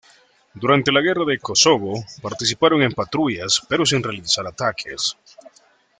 Durante la Guerra de Kosovo participaron en patrullas pero sin realizar ataques.